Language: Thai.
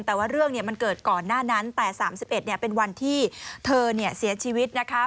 แต่ว่าเรื่องมันเกิดก่อนหน้านั้นแต่๓๑เป็นวันที่เธอเสียชีวิตนะคะ